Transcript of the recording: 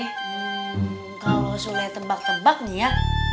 hmm kalau sudah tebak tebak nih ya